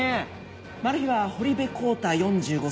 マルヒは堀部康太４５歳。